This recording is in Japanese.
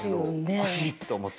欲しい！って思っちゃう？